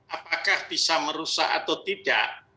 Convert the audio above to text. apakah bisa merusak atau tidak